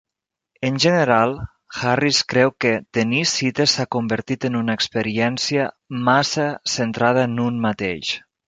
En general, Harris creu que tenir cites s'ha convertit en una experiència massa centrada en un mateix.